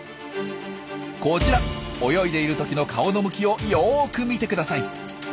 こちら泳いでいる時の顔の向きをよく見てください。